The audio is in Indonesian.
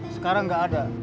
sekarang gak ada